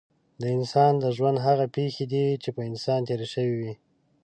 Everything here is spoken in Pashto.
د انسان د ژوند هغه پېښې دي چې په انسان تېرې شوې وي.